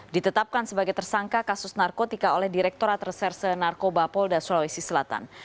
ditetapkan sebagai tersangka kasus narkotika oleh direkturat reserse narkoba polda sulawesi selatan